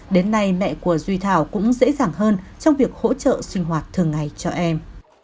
đến nay mẹ của duy thảo cũng dễ dàng hơn trong việc hỗ trợ sinh hoạt thường ngày cho em